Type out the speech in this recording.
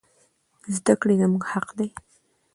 زدکړي زموږ حق دي